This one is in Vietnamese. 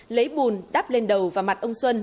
lấy bùn đắp lên đầu và mặt ông xuân